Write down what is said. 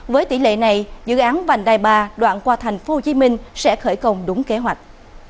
với tỷ lệ này dự án vành đai ba đoạn qua tp hcm sẽ khởi công đúng kế hoạch